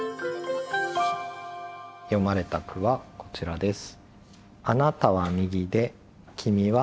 詠まれた句はこちらです。